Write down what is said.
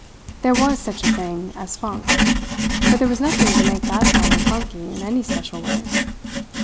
There was such a thing as funk; but there was nothing to make that fellow funky in any special way.